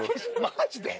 マジで？